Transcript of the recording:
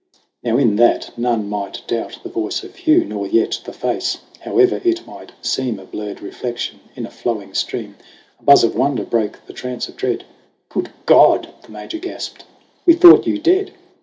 Now in that none might doubt the voice of Hugh, Nor yet the face, however it might seem A blurred reflection in a flowing stream, A buzz of wonder broke the trance of dread. "Good God !" the Major gasped ; "We thought you dead